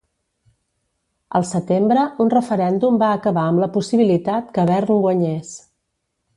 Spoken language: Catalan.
Al setembre un referèndum va acabar amb la possibilitat que Bern guanyés.